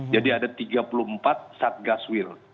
jadi ada tiga puluh empat satgas wil